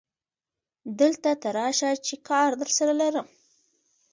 دلته ته راشه چې کار درسره لرم